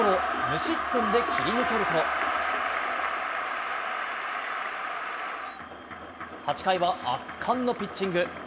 無失点で切り抜けると、８回は圧巻のピッチング。